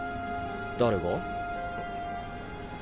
誰が？